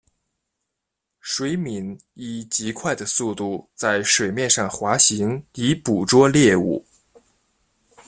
水黾以极快的速度在水面上滑行以捕捉猎物。